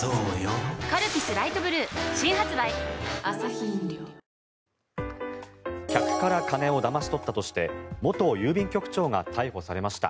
ハーモニカ的な客から金をだまし取ったとして元郵便局長が逮捕されました。